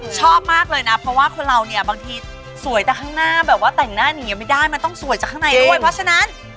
ชอบมากเลยนะเพราะว่าคนเราเนี่ยบางทีสวยแต่ข้างหน้าแบบว่าแต่งหน้าหนีไม่ได้มันต้องสวยจากข้างในด้วยเพราะฉะนั้น